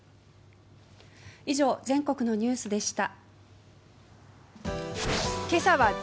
以上、全国のニュースでした。